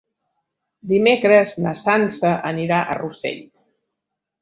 Dimecres na Sança anirà a Rossell.